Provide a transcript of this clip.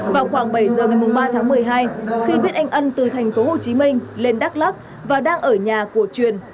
vào khoảng bảy giờ ngày ba tháng một mươi hai khi biết anh ân từ thành phố hồ chí minh lên đắk lắc và đang ở nhà của truyền